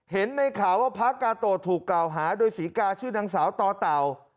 เห็นในข่าวว่าพระกาโตถูกกล่าวหาโดยศรีกาชื่อนางสาวต่อเต่า